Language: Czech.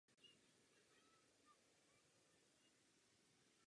Zaměřuje se na rodinu původních upírů a jejich život v New Orleans.